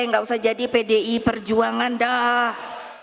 nggak usah jadi pdi perjuangan dah